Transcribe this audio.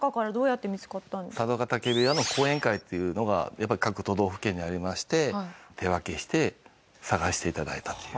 佐渡ケ嶽部屋の後援会っていうのがやっぱり各都道府県にありまして手分けして探して頂いたという。